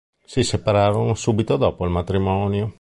Si separarono subito dopo il matrimonio.